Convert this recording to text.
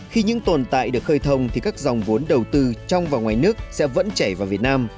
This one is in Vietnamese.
khi những tồn tại được khơi thông thì các dòng vốn đầu tư trong và ngoài nước sẽ vẫn chảy vào việt nam